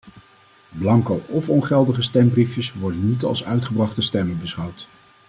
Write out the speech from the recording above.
Blanco of ongeldige stembriefjes worden niet als uitgebrachte stemmen beschouwd.